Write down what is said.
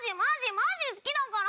マジ好きだから！」